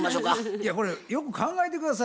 いやこれよく考えて下さいよ。